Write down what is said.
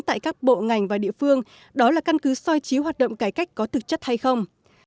tại các bộ ngành và địa phương đó là căn cứ soi trí hoạt động cải cách có thực chất hay không